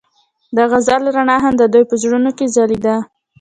د غزل رڼا هم د دوی په زړونو کې ځلېده.